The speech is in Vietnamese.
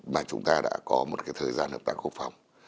mà chúng ta đã có một thời gian hợp tác quốc phòng